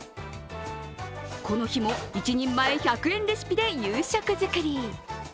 この日も１人前１００円レシピで夕食作り。